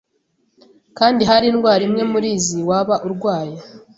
kandi hari indwara imwe muri izi waba urwaye,